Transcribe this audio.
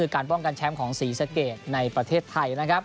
การป้องกันแชมป์ของศรีสะเกดในประเทศไทยนะครับ